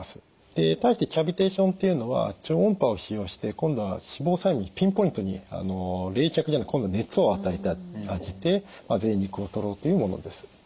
で対してキャビテーションというのは超音波を使用して今度は脂肪細胞にピンポイントに冷却じゃなくて今度は熱を与えてあげてぜい肉をとろうというものです。